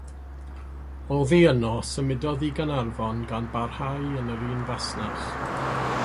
Oddi yno symudodd i Gaernarfon gan barhau yn yr un fasnach.